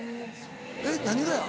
えっ何がや？